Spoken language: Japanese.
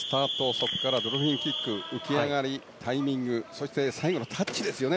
そこからドルフィンキック浮き上がり、タイミングそして最後のタッチですよね